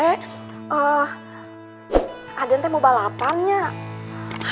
eeeh aden mau balapan ya